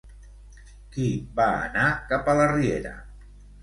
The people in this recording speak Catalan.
Qui va anar cap a la riera?